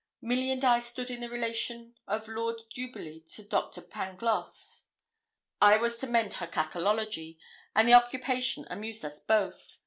Milly and I stood in the relation of Lord Duberly to Doctor Pangloss. I was to mend her 'cackleology,' and the occupation amused us both.